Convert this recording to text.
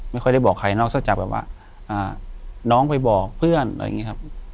ไม่ค่อยได้บอกใครนอกจากแบบว่าน้องไปบอกเพื่อนอะไรอย่างนี้ครับ